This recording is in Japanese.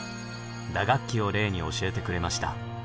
打楽器を例に教えてくれました。